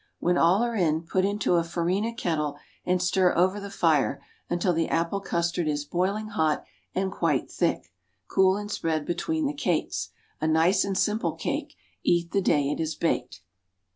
When all are in, put into a farina kettle and stir over the fire until the apple custard is boiling hot and quite thick. Cool and spread between the cakes. A nice and simple cake. Eat the day it is baked.